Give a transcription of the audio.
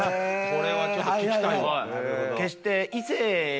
これはちょっと聞きたいわ。